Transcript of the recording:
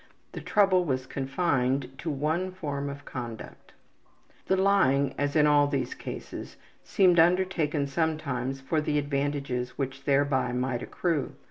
The trouble was confined to one form of conduct. The lying, as in all these cases, seemed undertaken sometimes for the advantages which thereby might accrue.